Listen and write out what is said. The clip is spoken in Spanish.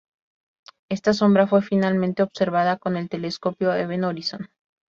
Esta sombra fue finalmente observada con el telescopio Event Horizon.